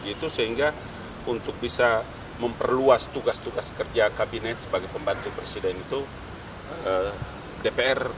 itu sehingga untuk bisa memperluas tugas tugas kerja kabinet sebagai pembantu presiden itu dpr